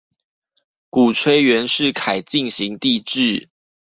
鼓吹袁世凱進行帝制